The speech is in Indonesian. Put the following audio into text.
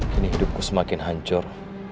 kini hidupku semakin hancur